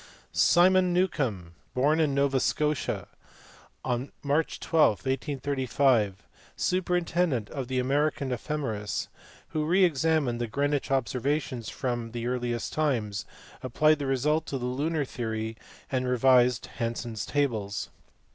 Simon Newcomb, born in Nova Scotia on March 12, 1835, superintendent of the American Ephemeris, who re examined the Greenwich observations from the earliest times, applied the results to the lunar theory, and revised Hansen s tables.